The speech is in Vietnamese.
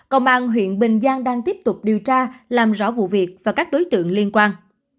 các đối tượng liên quan